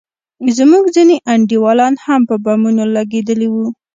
زموږ ځينې انډيوالان هم په بمونو لگېدلي وو.